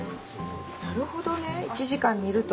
なるほどね１時間煮ると。